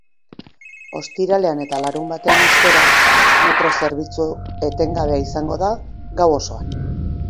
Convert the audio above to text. Ostiralean eta larunbatean, ostera, metro zerbitzu etengabea izango da gau osoan.